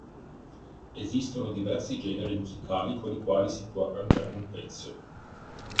Esistono diversi generi musicali con i quali si può arrangiare un pezzo.